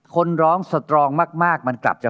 โปรดติดตามต่อไป